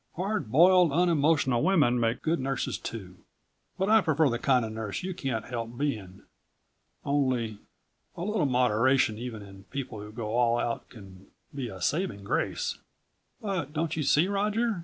Hard boiled, unemotional women make good nurses too. But I prefer the kind of nurse you can't help being. Only ... a little moderation even in people who go all out can be a saving grace." "But don't you see, Roger?